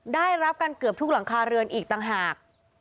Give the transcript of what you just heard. ได้รับกันเกือบทุกหลังคาเรือนอีกต่างหาก